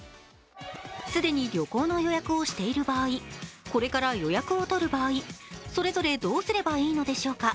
既に旅行の予約をしている場合、これから予約をとる場合、それぞれどうすればいいのでしょうか。